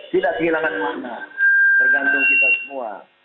tidak kehilangan makna tergantung kita semua